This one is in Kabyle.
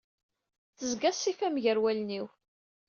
Tezga ṣṣifa-m gar wallen-iw.